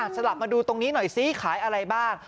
สลับมาดูตรงนี้หน่อยซิขายอะไรบ้าง